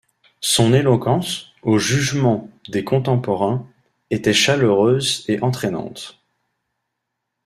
Son éloquence, au jugement des contemporains, était chaleureuse et entraînante.